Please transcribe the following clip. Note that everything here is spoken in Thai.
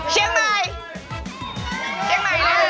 เชียงใหม่